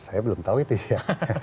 saya belum tahu itu ya